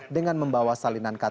dengan membawa salinan ktp dan kk